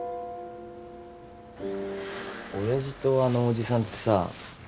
親父とあの伯父さんってさ。